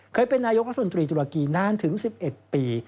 เคยเป็นนายกรัฐมนตรีตุรกีนานถึง๑๑ปี